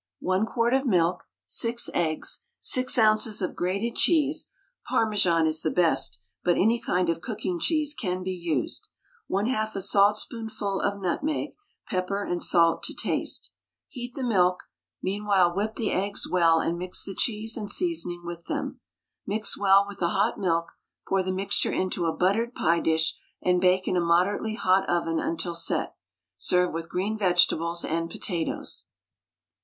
1 quart of milk; 6 eggs, 6 oz. of grated cheese, Parmesan is the best, but any kind of cooking cheese can be used; 1/2 a saltspoonful of nutmeg, pepper and salt to taste. Heat the milk; meanwhile whip the eggs well, and mix the cheese and seasoning with them. Mix well with the hot milk, pour the mixture into a buttered pie dish, and bake in a moderately hot oven until set. Serve with green vegetables and potatoes.